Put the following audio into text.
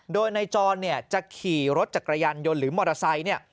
โดยในจรจะขี่รถจักรยานยนต์หรือมอเตอร์ไซต์